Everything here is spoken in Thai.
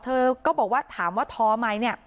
เธอก็บอกว่าถามว่าท้อไหมเนี่ย